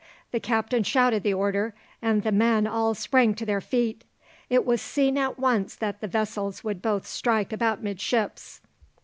The captain shouted the order, and the men all sprang to their feet. It was seen at once that the vessels would both strike about midships.